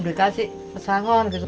jika tidak saya akan menghentikan diri saya